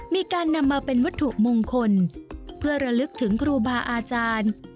มีการนำมาเป็นวัตถุมงคลเพื่อระลึกถึงครูบาอาจารย์